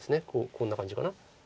こんな感じかな。